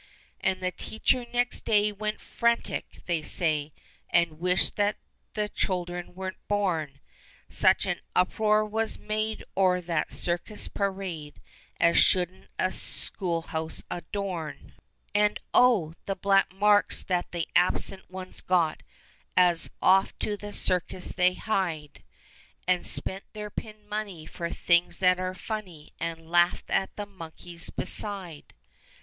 And the teacher next day went frantic, they say, And wished that the children weren't born; Such an uproar was made o'er that cir cus parade As shouldn't a school house adorn. i86 THE CHILDREN'S WONDER BOOK. And, oh ! the black marks that the absent ones got, As off to the circus they hied. And spent their pin money for things that are funny. And laughed at the monkeys, beside.